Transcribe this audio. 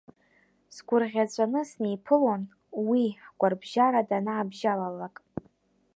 Сгәырӷьаҵәаны снеиԥылон уи ҳгәарабжьара данаабжьалалак.